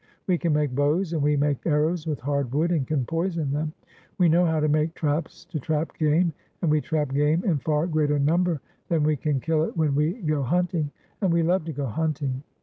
We can make bows, and we make arrows with hard wood, and can poison them. We know how to make traps to trap game, and we trap game in far greater number than we can kill it when we go hunting; and we love to go hunting."